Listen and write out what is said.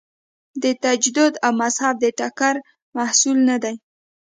د تجدد او مذهب د ټکر محصول نه دی.